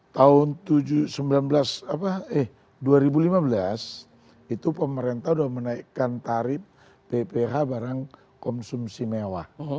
tahun dua ribu lima belas itu pemerintah sudah menaikkan tarif pph barang konsumsi mewah